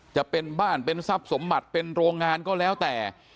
จะเป็นบ้านเป็นทรัพย์สมบัติเป็นโรงงานก็แล้วแต่